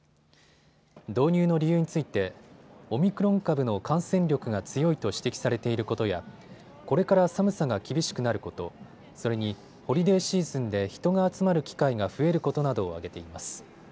導入の理由についてオミクロン株の感染力が強いと指摘されていることやこれから寒さが厳しくなること、それにホリデーシーズンで人が集まる機会が増えることなどを挙げています。